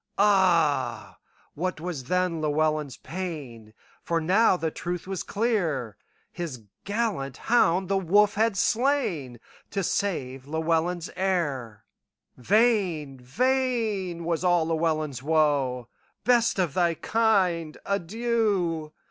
Ah, what was then Llewelyn's pain! For now the truth was clear; His gallant hound the wolf had slainTo save Llewelyn's heir:Vain, vain was all Llewelyn's woe;"Best of thy kind, adieu!